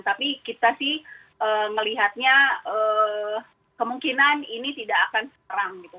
tapi kita sih melihatnya kemungkinan ini tidak akan sekarang gitu